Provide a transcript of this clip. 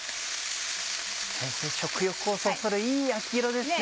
先生食欲をそそるいい焼き色ですね。